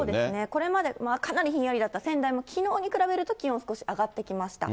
これまで、かなりひんやりだった仙台もきのうに比べると気温、少し上がってきました。